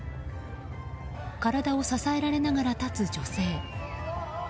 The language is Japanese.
体を支えられながら立つ女性。